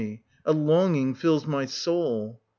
a longing fills my soul.